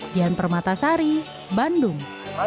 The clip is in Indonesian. dian permatasari bandung